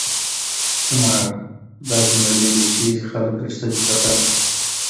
قمار: داسې نړۍ ده چېرې خلک ریښتینی خطر اخلي.